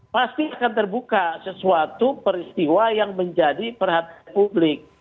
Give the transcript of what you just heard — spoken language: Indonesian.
pasti akan terbuka sesuatu peristiwa yang menjadi perhatian publik